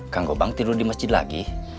kang gobang tidur di masjid lagi